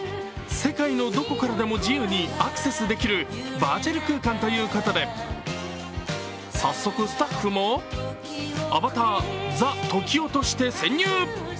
世界のどこからでも自由に自由にアクセスできるバーチャル空間ということで早速、スタッフもアバター、ＴＨＥ時男として潜入。